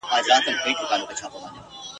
له ازل هېره افغانستانه!.